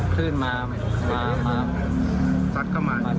ขึ้นมามามามาสัดเข้ามาใส่ตัวครับ